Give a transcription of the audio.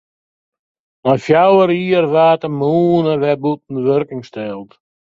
Nei fjouwer jier waard de mûne wer bûten wurking steld.